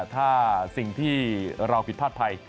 ถ้าสิ่งที่เราผิดพลาดภัย